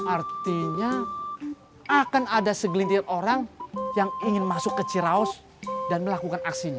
artinya akan ada segelintir orang yang ingin masuk ke ciraus dan melakukan aksinya